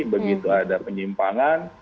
begitu ada penyimpangan